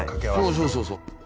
そうそうそうそう。